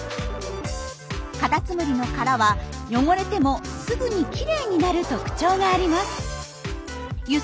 カタツムリの殻は汚れてもすぐにきれいになる特徴があります。